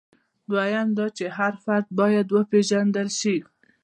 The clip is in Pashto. دویم دا چې هر فرد باید وپېژندل شي.